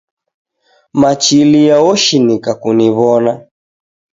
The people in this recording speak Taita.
Machilia woshinika kuniwona